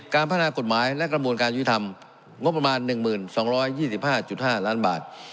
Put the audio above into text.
การพัฒนากฎหมายและกระบวนการยุทธรรมงบประมาณ๑๒๒๕๕ล้านบาท